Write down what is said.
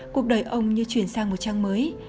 cuộc đời ông như chuyển sang một trang mới